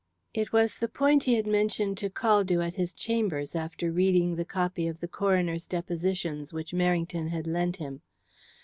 It was the point he had mentioned to Caldew at his chambers after reading the copy of the coroner's depositions which Merrington had lent him.